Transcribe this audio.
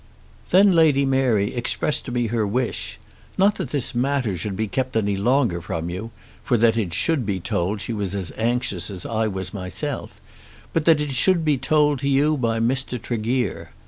Then Lady Mary expressed to me her wish, not that this matter should be kept any longer from you, for that it should be told she was as anxious as I was myself, but that it should be told to you by Mr. Tregear.